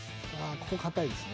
ここ硬いですね